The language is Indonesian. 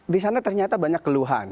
di sana ternyata banyak keluhan